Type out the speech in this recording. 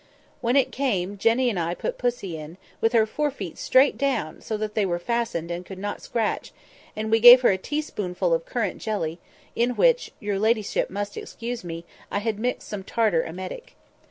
When it came, Jenny and I put pussy in, with her forefeet straight down, so that they were fastened, and could not scratch, and we gave her a teaspoonful of current jelly in which (your ladyship must excuse me) I had mixed some tartar emetic.